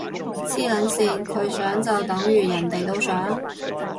黐撚線，佢想就等如人哋都想？